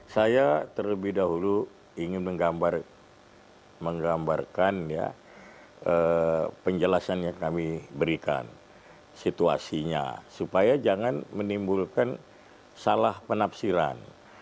saya terlebih dahulu ingin menggambarkan ya penjelasan yang kami berikan situasinya supaya jangan menimbulkan salah penafsiran